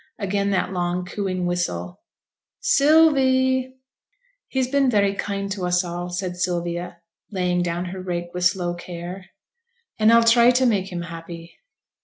Again that long, cooing whistle. 'Sylvie!' 'He's been very kind to us all,' said Sylvia, laying her rake down with slow care, 'and I'll try t' make him happy.'